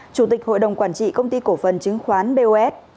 chủ tịch hội đồng quản trị công ty cổ phần chứng khoán bos